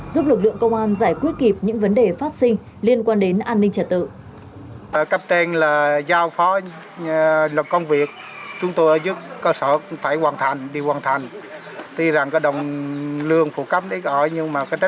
giúp lực lượng công an giải quyết kịp những vấn đề phát sinh liên quan đến an ninh trật tự